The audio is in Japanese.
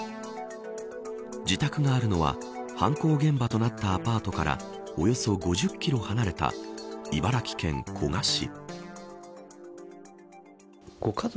自宅があるのは犯行現場となったアパートからおよそ５０キロ離れた茨城県古河市。